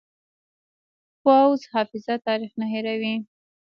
پوخ حافظه تاریخ نه هېروي